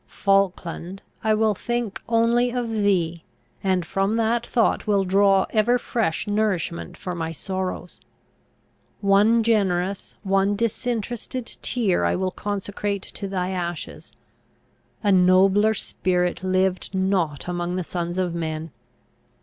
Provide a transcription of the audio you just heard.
Falkland, I will think only of thee, and from that thought will draw ever fresh nourishment for my sorrows! One generous, one disinterested tear I will consecrate to thy ashes! A nobler spirit lived not among the sons of men.